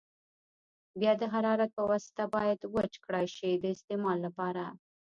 بیا د حرارت په واسطه باید وچ کړای شي د استعمال لپاره.